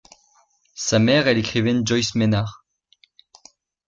Sa mère est l'écrivaine Joyce Maynard.